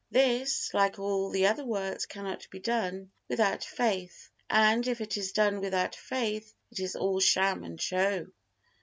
This, like all the other works, cannot be done without faith; and if it is done without faith, it is all sham and show.